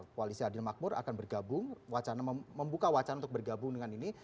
koalisi adil makmur akan bergabung membuka wacana untuk bergabung dengan ini